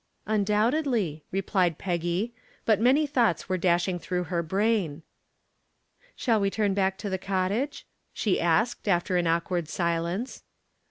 "Undoubtedly," replied Peggy, but many thoughts were dashing through her brain. "Shall we turn back to the cottage?" she said, after an awkward silence.